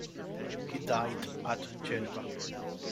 He died at Geneva.